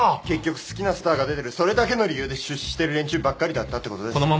結局好きなスターが出てるそれだけの理由で出資してる連中ばっかりだったってことです。